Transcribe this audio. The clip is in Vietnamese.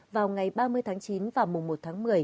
vào ngày ba mươi tháng chín và mùng một tháng một mươi